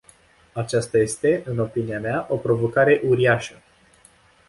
Aceasta este, în opinia mea, o provocare uriașă.